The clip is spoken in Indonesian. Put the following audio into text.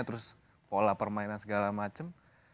terus pola permainan segala macam